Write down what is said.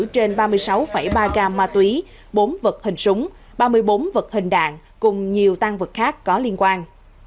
trên ba mươi sáu ba gam ma túy bốn vật hình súng ba mươi bốn vật hình đạn cùng nhiều tăng vật khác có liên quan